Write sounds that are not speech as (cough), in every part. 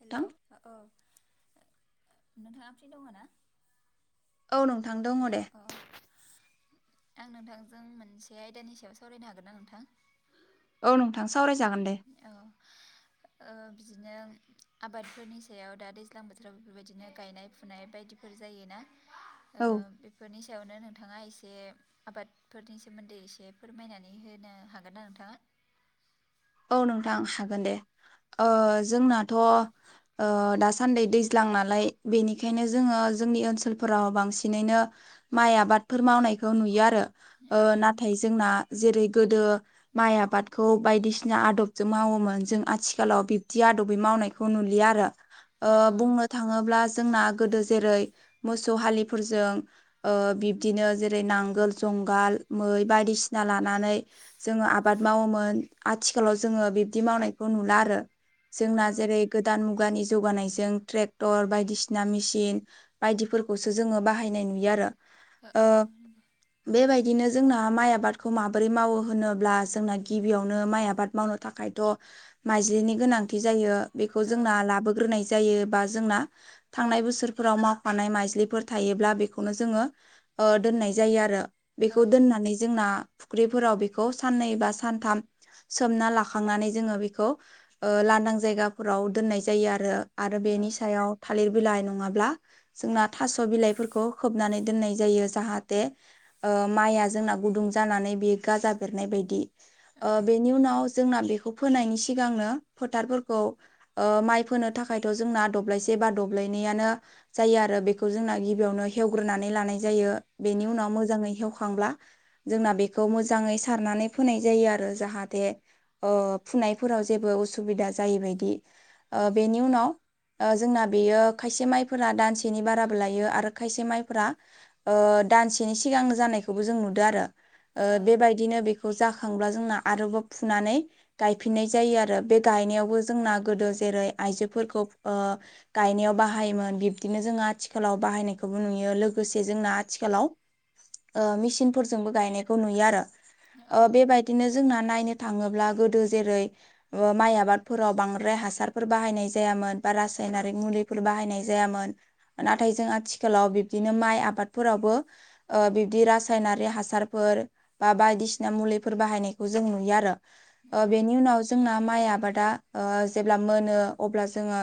हेल' नोंथां औ नोंथाङा फ्रि दङ ना? औ नोंथां दङ हेल' दे औ आं नोंथांजों मोनसे आयदानि सायाव सावरायनो हागोन ना नोंथां? औ नोंथां सावराय जागोन दे। औ ओ बिदिनो आबादफोरनि सायाव दा दैज्लां बोथोराव बेफोरबायदिनो गायनाय फुनाय बायदि बे फोर जायोना औ ओ बेफोरनि सायावनो नोंथाङा एसे आबादफोरनि सोमोन्दै एसे फोरमायनानै होनो हागोन ना नोंथाङा? औ नोंथां हागोन दे औ ओ जोंनाथ' ओ दासान्दि दैज्लां नालाय बेनिखायनो जोङो जोंनि ओनसोलफोराव बांसिनैनो माइ आबादफोर मावनायखौ नुयो आरो। ओ औ नाथाय नंगौ जोंना जेरै गोदो माइ आबादखौ बायदिसिना बिदिसिना आदबजों मावोमोन जों आथिखालाव बिब्दि आदबै मावनायखौ नुलिया आरो ओ औ औ बुंनो थाङोब्ला जोंना गोदो जेरै मोसौ हालिफोरजों ओ बिब्दिनो जेरै नांगोल जंगाल मै बायदिसिना लानानै जोङो आबाद मावोमोन। आथिखालाव जोङो बिब्दि मावनायखौ नुला आरो जोंना औ जेरै गो दान मुगानि जौगानायजों ट्रेक्टर बायदिसिना मेसिन बायदिफोरखौसो जोङो बाहायनाय नुयो आरो। हो औ ओ बेबायदिनो जोंना माइ आबादखौ माबोरै मावो होनोब्ला जोंना गिबियाव नो माइ आबाद मावनो थाखायथ' माइज्लिनि गोनांथि जायो बेखौ औ जोंना लाबोग्रोनाय जा जायो बा जोंना थांनाय बोसोरफोराव मावफानाय माइज्लिफोर थायोब्ला बेखौनो जोङो ओ दोननाय जायो आरो। औ बेखौ दोननानै जोंना फुख्रिफोराव बेखौ साननै बा सानथाम सोमना लाखांनानै जोङो बेखौ ओ लांदां जायगाफोराव दोननाय जायो आरो। आरो बेनि सायाव थालिर बिलाइ नङाब्ला जोंना थास' बिलाइफोरखौ खोबनानै दोननाय जायो जाहाथे माइया जोंना गुदुं जानानै बेयो गाजा बेरनाय बायदि ओ बेनि उनाव जोंना बेखौ फोनायनि सिगांनो फोथारफोरखौ माइ फोनो थाखायथ' जोंना दब्लायसे बा दब्लायनैयानो जायो आरो बेखौ जोंना गिबियावनो हेवग्रोनानै लानाय जायो बेनि उनाव मोजाङै हेवखांब्ला जोंना बेखौ मोजाङै सारनानै फोनाय जायो आरो जाहाथे ओ फुनायफोराव जेबो असुबिदा जायैबायदि ओ बेनि उनाव ओ जोंना बेयो खायसे माइफोरा दानसेनि बाराबो लायो आरो खायसे माइफोरा ओ दानसेनि सिगां जानायखौबो जों नुदों आरो ओ औ बेबायदिनो बेखौ जाखांब्ला जोंना आरोबाव फुनानै गायफिननाय जायो आरो आरो बे गायनायावबो जोंना गोदो जेरै आइजोफोरखौ गायनायाव बाहायोमोन बिब्दिनो जोङो आथिखालाव बाहायनायखौबो नुयो लोगोसे जोंना आथिखालाव मेसिनफोरजोंबो गायनायखौ नुयो आरो बेबायदिनो ना नायनो थाङोब्ला गोदो जेरै माइ आबादफोराव बांद्राय हासारफोर बाहायनाय जायामोन बा रासायनारिक मुलिफोर बाहायनाय जायामोन नाथाय जों आथिखालाव बिब्दिनो माइ आबादफोरावबो बिबदि रासायनारि हासारफोर बा बायदिसिना मुलिफोर बाहायनाय खौ जों नुयो आरो औ बेनि उनाव जोंना माइ आबादा ओ जेब्ला मोनो अब्ला जोङो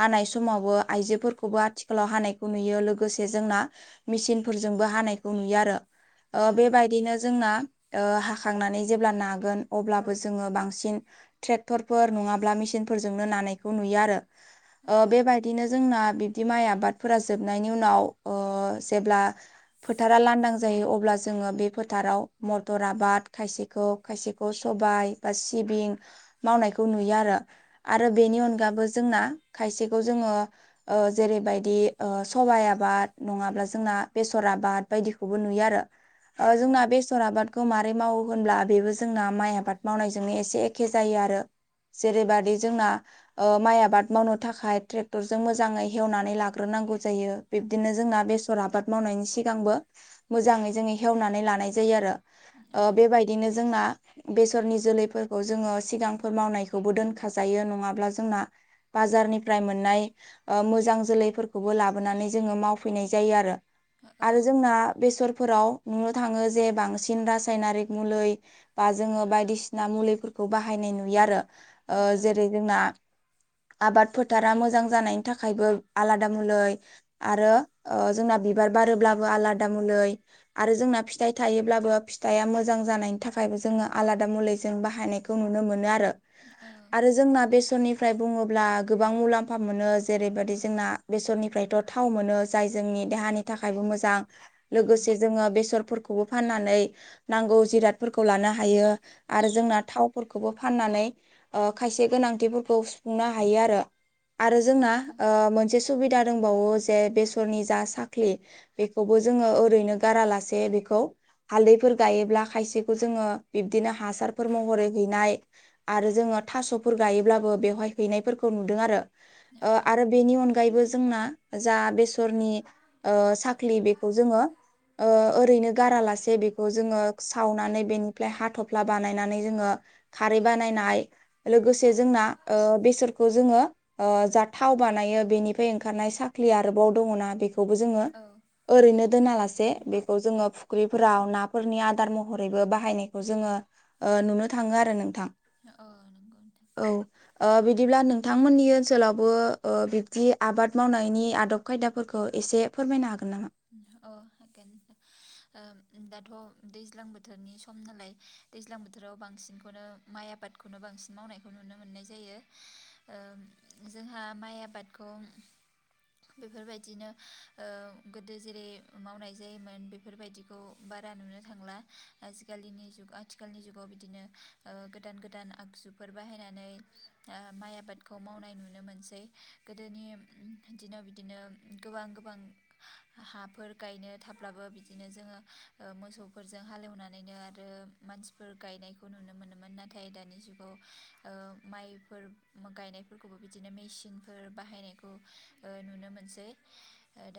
हानाय समावबो आइजोफोरखौबो आथिखालाव हानायखौ नुयो लोगोसे जोंना मेसिनफोरजोंबो हानायखौ नुयो आरो ओ नंगौ बेबायदिनो जोंना ओ हाखांनानै जेब्ला नागोन अब्लाबो जोङो बांसिन ट्रेक्टरफोर नङाब्ला मेसिनफोरजोंनो नानायखौ नुयो आरो नोंथां बेबायदिनो जोंना बिफो बिदि माइ आबादफोरा जोबनायनि उनाव जेब्ला फोथारा लांदां जायो अब्ला जोङो बे फोथाराव मटर आबाद खायसे खायसेखौ सबाय बा सिबिं मावनायखौ नुयो आरो आरो बेनि अनगाबो जोंना खायसेखौ जोङो जेरैबायदि सबाइ आबाद नङाब्ला जोंना बेसर आबाद बायदिखौबो नुयो आरो जोंना बेसर आबादखौ मारै मावो होनब्ला बेबो जोंना माइ आबाद मावनायजोंनो एसे एखे जायो आरो जेरैबादि जोंना ओ माइ आबाद मावनो थाखाय ट्रेक्टरजों मोजाङै हेवनानै लाग्रोनांगौ जायो बिब्दिनो जोंना बेसर आबाद मावनायनि सिगांबो मोजाङै जोङो हेवनानै लानाय जायो आरो औ बेदिनो जोंना बेसरनि जोलैफोरखौ जोङो सिगांफोर मावनायखौबो दोनखाजायो नङाब्ला जोंना बाजारनिफ्राय मोननाय ओ मोजां जोलैफोरखौबो लाबोनानै जोङो मावफैनाय जायो आरो आरो जोंना बेसरफोराव नुनो थाङो जे बांसिन रासायनारिक मुलै बा जोङो बायदिसिना मुलिफोरखौ बाहायनाय नुयो आरो ओ जेरै जोंना आबाद फोथारा मोजां जानायनि थाखायबो आलादा मुलै आरो ओ जोंना बिबार बारोब्लाबो आलादा मुलै आरो जोंना फिथाइ थायोब्लाबो फिथाइआ मोज जां जानायनि थाखायबो जोङो आलादा मुलै जों बाहायनायखौ नुनो मोनो आरो आरो जोंना बेसरनि फ्राय बुङोब्ला गोबां मुलाम्फा मोनो जेरैबायदि जोंना बेसरनिफ्रायथ' थाव मोनो जाय जोंनि देहानि थाखायबो मोजां लोगोसे जोङो बेसरफोरखौबो फाननानै नांगौ जिरादफोरखौ लानो हायो आरो जोंना थावफोरखौबो फाननानै ओ खायसे गोनांथिफोरखौ सुफुंनो हायो आरो आरो जोंना ओ मोनसे सुबिदा दंबावो जे बेसरनि जा साख्रि बेखौबो जोङो ओरैनो गारालासे बेखौ हालदैफोरखौ गायोब्ला खायसेखौ जोङो बिब्दिनो हासारफोर महरै हैनाय आरो जोङो थास'फोर गायोब्लाबो बेवहाय हैनायफोरखौ नुदों आरो ओ आरो बेनि अनगायै अनगायैबो जोंना जा बेसरनि साख्लि बेखौ जोङो ओरैनो गारालासे बे खौ जोङो सावनानै बेनिफ्राय हाथफ्ला बानायनानै जोङो खारै बानायनाय लोगोसे जोंना बेसरखौ जोङो जा थाव बानायो बेनिफ्राय ओंखारनाय साख्रि आरोबाव दङना बेखौ बेबो जोङो ओरैनो दोनालासे बेखौ जोङो फुख्रिफोराव ना फोरनि आदार महरैबो बाहायनायखौ जोङो ओ नुनो थाङो आरो नोंथां औ नंगौ नोंथां औ बिदिब्ला नोंथांमोननि ओनसोलावबो ओ बिब्दि आबाद मावनायनि आदब खायदाफोरखौ एसे फोरमायनो हागोन नामा? अ हागोन ओ दाथ' दैज्लां बोथोरनि सम नालाय दैज्लां बोथोराव बांसिनखौनो माइ आबादखौनो बांसिन मावनायखौ नुनो मोननाय जायो। ओ जोंहा माइ आबादखौ बेफोर बायदिनो ओ गोदो जेरै मावनाय जायोमोन बेफोरबायदिखौ बारा नुनो थांला। आजिखालिनि जुग आथिखालनि जुगाव बिदिनो गोदान गोदान आगजुफोर बाहायनानै माइ आबादखौ मावनाय नुनो मोनसै गोदोनि दिनाव बिदिनो। गोबां गोबां हाफोर गायनो थाब्लाबो बिदिनो जोङो मोसौफोरजों हालेवनानैनो आरो मानसिफोर गायनायखौ नुनो मोनोमोन नाथाय दानि जुगाव माइफोर गायनायफोरखौबो बिदिनो मेसिनफोर बाहायनायखौ नुनो मोनसै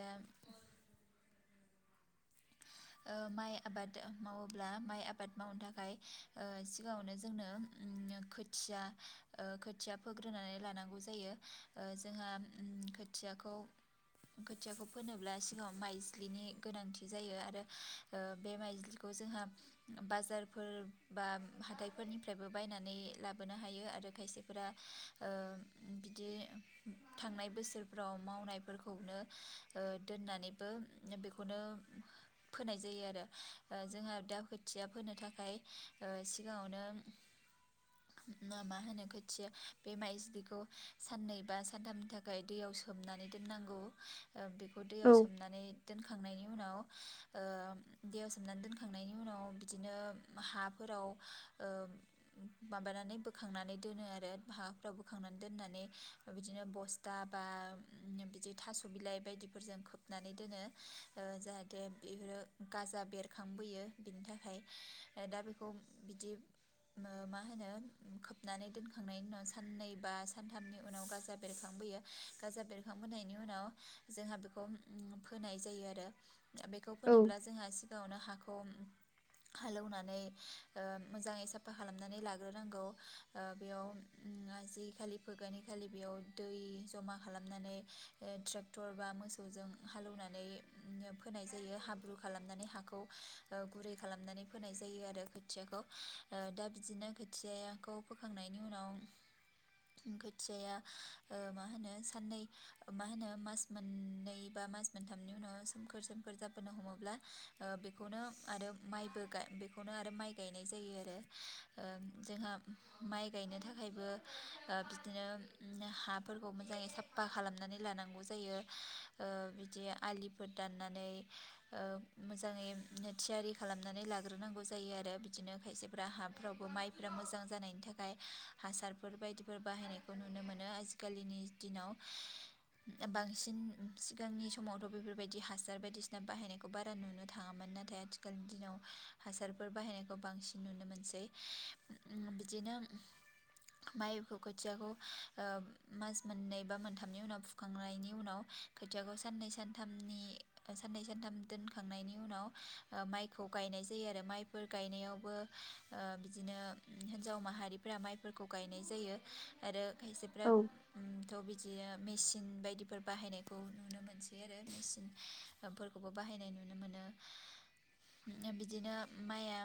दा अ माइ आबाद मावोब्ला माइ आबाद मावनो थाखाय ओ सिगाङावनो जोंनो खोथिया ओ खोथिया फोग्रोनानै लानांगौ जायो जोंहा खोथियाखौ खोथियाखौ फोनोब्ला सिगाङाव माइजलिनि गोनांथि बि जायो आरो ओ बे माइजलिखौ जोंहा बाजारफोर बा हाथाइफोरनिफ्रायबो बायनानै लाबोनो हायो आरो खायसेफोरा ओ बिदि थांनाय बोसोरफ्राव मावनायफोरखौनो दोननानैबो बेखौनो फोनाय जायो आरो जोंहा दा खोथिया फोनो थाखाय सिगाङावनो। (unintelligible) मा होनो खोथियो बे माइजलिखौ साननै बा सानथाम थाखाय दैयाव सोमनानै दोननांगौ बेखौ औ दैयाव सोमनानै दोनखांनायनि उनाव दैयाव सोमनानै दोनखांनायनि उनाव बिदिनो हाफोराव माबानानै बोखांनानै दोनो आरो हाफ्राव बोखांनानै दोननानै बिदिनो बस थाबा बिदि थास' बिलाइ बायदिफोरजों खोबनानै दोनो जायहा थे बेफोरो गाजा बेरखांबोयो बिनि थाखाय दा बेखौ बिदि मा होनो खोबनानै दोनखांनायनि उनाव साननै बा सानथामनि उनाव गाजा बेरखांबोयो। गाजा बेरखांबोनायनि उनाव जोंहा बेखौ फोनाय जायो आरो द बेखौ औ फोनोब्ला जोंहा सिगाङावनो हाखौ हालेवनानै मोजाङै साफा खालामनानै लाग्रोनांगौ बेयाव आ जि खालि फोगानि खालि बेयाव दै जमा खालामनानै। ट्रेक्टर बा मोसौजों हालौवनानै फोनाय जायो हाब्रु खालामनानै हाखौ गुरै खालामनानै फोनाय जायो आरो खोथियाखौ दा बिदिनो खोथियाखौ फोखांनायनि उनाव खोथियाया मा होनो साननै मा होनो मास मोननै बा मास मोनथामनि उनाव सोमखोर सोमखोर जाबोनो हमोब्ला बेखौनो आरो माइबो खौनो आरो माइ गायनाय जायो आरो जोंहा माइ गायनो थाखायबो बिदिनो हाफोरखौ मोजाङै साफ सफा खालामनानै लानांगौ जायो बिदि आलि फोर दाननानै मोजाङै थियारि खालामनानै लाग्रोनांगौ जायो आरो। बिदिनो खायसेफ्रा हाफ्रावबो माइफोरा मोजां जानायनि थाखाय हासारफोर बायदिफोर बाहायनाय खौ नुनो मोनो आजिखालिनि दिनाव बांसिन सिगांनि समावथ' बेफोर बेफोर बायदि हासार बायदिसिना बाहायनायखौ बारा नुनो थाङामोन नाथाय आथिखालनि दिनाव हासारफोर बाहायनायखौ बांसिन नुनो मोनसै बिदिनो माइखौ खोथियाखौ मास मोननै बा मोनथामनि उनाव फुखांनायनि उनाव खैथियाखौ साननै सानथामनि साननै सानथाम दोनखांनायनि उनाव माइखौ गायनाय जायो आरो माइफोर गायनायावबो बिदिनो हिनजाव माहारिफोरा माइफोरखौ गायनाय जायो आरो खायसे। औ थ' बिदिनो मेसिन बायदिफोर बाहायनायखौ नुनो मोनसै बि आरो मेसिन फोरफोरखौबो बाहायनाय नुनो मोनो। बिदिनो माइया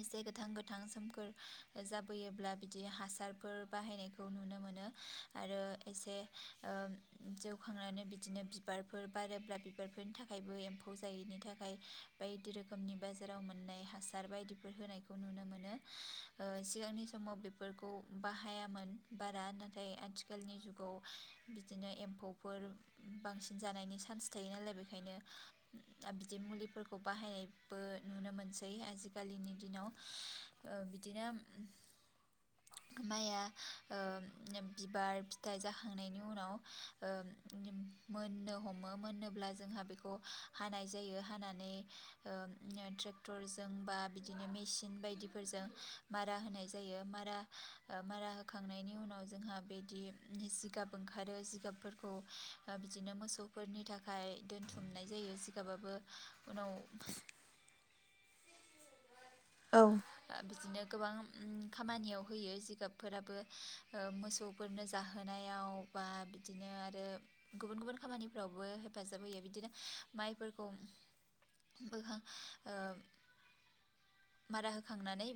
एसे गोथां गोथां सोमखोर जाबोयोब्ला बिदि हासारफोर बाहायनायखौ खौ नुनो मोनो आरो एसे जौखांनानै बि बिदिनो बिबारफोर बारोब्ला बिबारफोरनि थाखायबो एम्फौ जायैनि थाखाय बायदि रोखोम रोखोमनि बाजाराव मोननाय हासार बायदिफोर होनायखौ नुनो मोनो सिगांनि समाव बेफोर फोरखौ बाहायामोन बारा नाथाय आथिखालनि जुगाव बिदिनो एम्फौफोर बांसिन जानायनि चान्स थायो नालाय बेखायनो बिदि मुलिफोरखौ बाहायनायबो नुनो मोनसै आजिखालिनि दिनाव। बिदिनो माइया बिबार फिथाइ जाखांनायनि उनाव। मोननो हमो मोनोब्ला जोंहा बेखौ हानाय जायो हानानै ट्रेक्टरजों बा बिदिनो मेसिन बायदिफोरजों मारा होनाय जायो मारा मारा होखांनायनि उनाव जोंहा बिदि जिगाब ओंखारो जिगाबफोरखौ बिदिनो मोसौफोरनि थाखाय दोनथुमनाय जायो जिगाबाबो उनाव (unintelligible) औ बिदिनो गोबां खामानियाव होयो जिगाबफोराबो मोसौ फोरनो जाहोनायाव बा बिदिनो आरो गुबुन गुबुन खामानिफ्रावबो हेफाजाब होयो बिदिनो माइफोरखौ बोखां मारा होखांनानै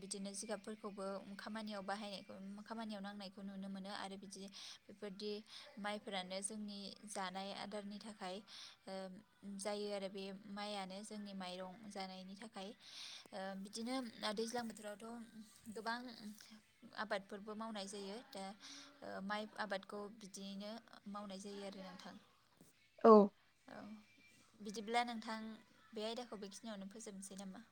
बिदिनो जिगाबफोरखौबो खामानियाव बाहायनायखौ खामानियाव नांनायखौ खौ नुनो मोनो आरो बिदि बेफोरदि माइफोरानो जोंनि जानाय आदारनि थाखाय जायो आरो बे माइआनो जोंनि माइरं जानायनि थाखाय बिदिनो दैज्लां बोथोरावथ' गोबां आबादफोरबो मावनाय जायो दा माइ आबादखौ बिदियैनो मावनाय जायो आरो नोंथां औ औ बिदिब्ला नोंथां बे आयदाखौ बेखिनियावनो फोजोबसै नामा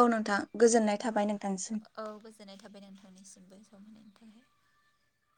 औ नोंथां गोजोननाय औ थाबाय नोंथांनिसिम औ गोजोननाय थाबाय नोंथांनिसिमबो सम होनायनि थाखाय